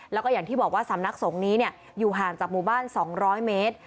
แล้วก็อย่างที่บอกว่าสำนักสงฆ์นี้อยู่ห่างจากหมู่บ้าน๒๐๐เมตร